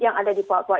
yang ada di papua